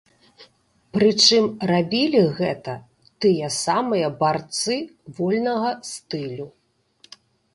Прычым рабілі гэта тыя самыя барцы вольнага стылю.